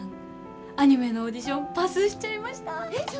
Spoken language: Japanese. アニメのオーディションパスしちゃいました！